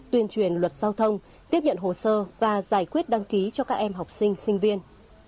tuyên truyền luật giao thông tiếp nhận hồ sơ và giải quyết đăng ký cho các em học sinh sinh viên